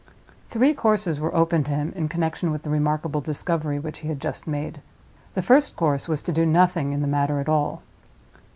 Three courses were open to him in connection with the remarkable discovery which he had just made. The first course was to do nothing in the matter at all.